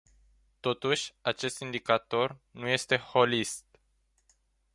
Totuși, acest indicator nu este holist.